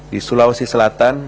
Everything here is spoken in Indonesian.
di sulawesi selatan